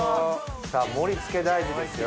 さぁ盛り付け大事ですよ。